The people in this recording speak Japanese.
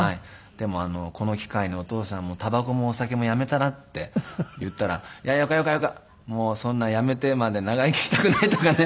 でも「この機会にお父さんもタバコもお酒もやめたら？」って言ったら「いやよかよかよか。そんなやめてまで長生きしたくない」とかね。